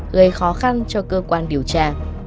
gây khó khăn cho cơ quan điều tra